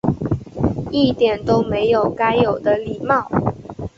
一点都没有该有的礼貌